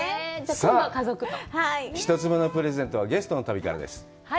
さあ、１つ目のプレゼントはゲストの旅からです。